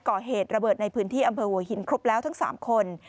ก่อเหตุระเบิดในพื้นที่อำเภอหัวหินครบแล้วทั้ง๓คน